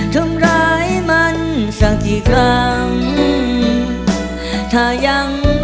ทำร้ายมันสักกี่ครั้ง